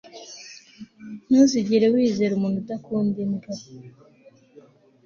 ntuzigere wizera umuntu udakunda imbwa